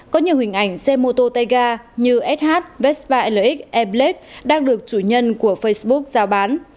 có nhiều hình ảnh xe mô tô tay ga như sh vespa lx airblade đang được chủ nhân của facebook giao bán